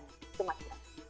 itu masih ada